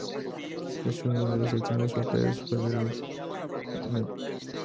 Uno de sus últimos papeles fue el de Mr.